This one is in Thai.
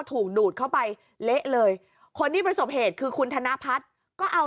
ถูกดูดเข้าไปเละเลยคนที่ประสบเหตุคือคุณธนพัฒน์ก็เอา